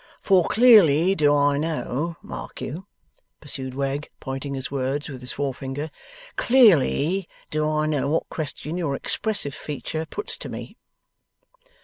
'For clearly do I know, mark you,' pursued Wegg, pointing his words with his forefinger, 'clearly do I know what question your expressive features puts to me.